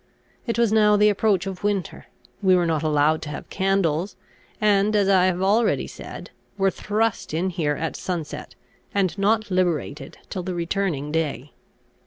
It was now the approach of winter. We were not allowed to have candles, and, as I have already said, were thrust in here at sunset, and not liberated till the returning day.